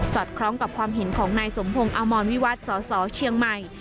อดคล้องกับความเห็นของนายสมพงศ์อมรวิวัตรสสเชียงใหม่